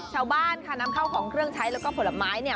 ชาวบ้านค่ะนำเข้าของเครื่องใช้แล้วก็ผลไม้เนี่ย